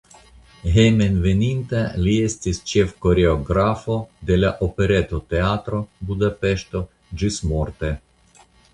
Hejmenveninta li estis ĉefkoreografo de Operetoteatro (Budapeŝto) ĝismorte.